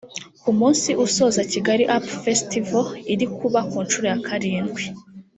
ku munsi usoza Kigali Up Festival iri kuba ku nshuro ya karindwi